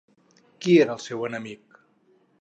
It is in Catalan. Qui era el seu enemic?